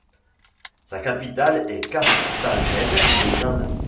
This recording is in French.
Sa capitale est Carthagène des Indes.